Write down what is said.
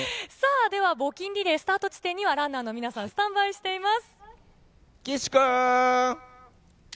募金リレースタート地点には、ランナーの皆さんがスタンバイしています。